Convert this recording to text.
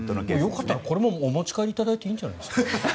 よかったらこれもお持ち帰りいただいていいんじゃないですか。